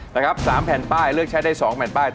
นะครับ๓แผ่นป้ายเลือกใช้ได้๒แผ่นป้าย